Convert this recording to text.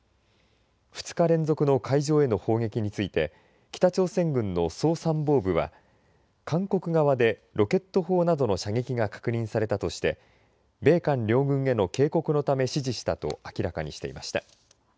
２日連続の海上への砲撃について北朝鮮軍の総参謀部は韓国側でロケット砲などの射撃が確認されたとして米韓両軍への警告のため指示したと明らかにしていました。